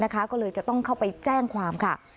ก็เลยจะต้องเข้าไปแจ้งความค่ะ